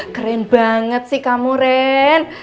keren banget sih kamu ren